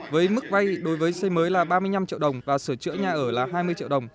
với mức vay đối với xây mới là ba mươi năm triệu đồng và sửa chữa nhà ở là hai mươi triệu đồng